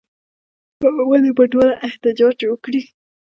ونې به ټوله احتجاج وکړي